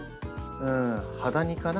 ハダニかな。